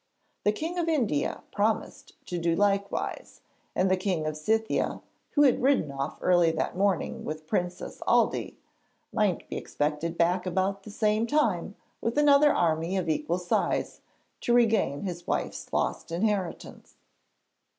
The King of India promised to do likewise, and the King of Scythia (who had ridden off early that morning with Princess Aldée) might be expected back about the same time with another army of equal size, to regain his wife's lost inheritance.